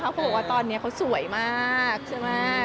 เขาบอกว่าตอนนี้เขาสวยมากใช่ไหม